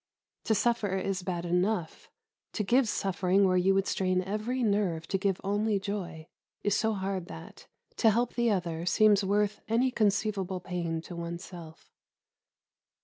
To suffer is bad enough; to give suffering where you would strain every nerve to give only joy is so hard that, to help the other, seems worth any conceivable pain to oneself.